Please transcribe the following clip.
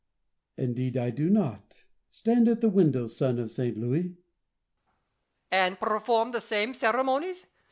Indeed I do not. Stand at the window, son of St. Louis. Louis. And perform the same ceremonies